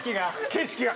景色が。